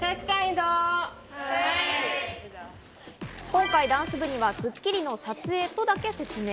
今回、ダンス部には『スッキリ』の撮影とだけ説明。